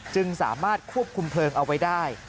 จึงสามารถควบคุมเพลิงเอาไว้ได้